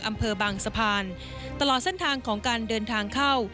อำเภอบางสะพานตลอดเส้นทางของการเดินทางเข้า